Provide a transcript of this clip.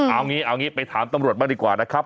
เอาอย่างนี้เอาอย่างนี้ไปถามตำรวจบ้างดีกว่านะครับ